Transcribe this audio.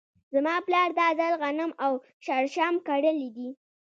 زما پلار دا ځل غنم او شړشم کرلي دي .